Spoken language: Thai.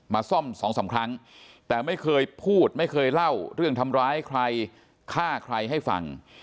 ซ่อมสองสามครั้งแต่ไม่เคยพูดไม่เคยเล่าเรื่องทำร้ายใครฆ่าใครให้ฟัง